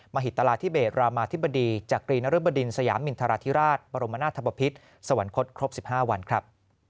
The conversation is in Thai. หิตราธิเบศรามาธิบดีจักรีนรบดินสยามินทราธิราชบรมนาธบพิษสวรรคตครบ๑๕วันครับ